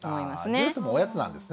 ジュースもおやつなんですね。